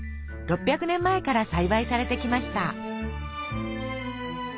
６００年前から栽培されてきました。